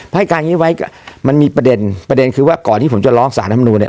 ให้การอย่างนี้ไว้ก็มันมีประเด็นประเด็นคือว่าก่อนที่ผมจะร้องสารธรรมนูลเนี่ย